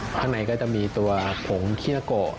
ข้างในก็จะมีตัวผงขี้นาโกะ